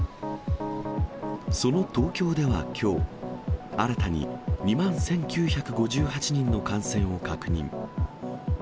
その東京ではきょう、新たに２万１９５８人の感染を確認。